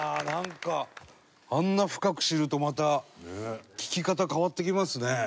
なんか、あんな深く知るとまた聴き方、変わってきますね。